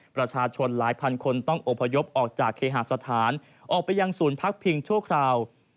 ประชาชนหลายพันคนต้องอบพยพออกจากเคหาสถานออกไปยังศูนย์พักพิงชั่วคราว